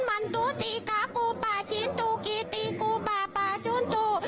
มันตุติกะกูปะชินตุกิติกูปะปะชุนตุ